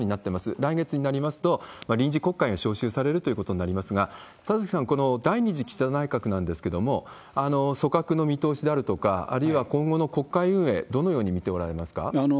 来月になりますと、臨時国会が召集されるということになりますが、田崎さん、この第２次岸田内閣ですけれども、組閣の見通しであるとか、あるいは今後の国会運営、どのように見ておられますか？